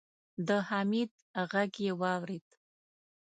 د حميد غږ يې واورېد.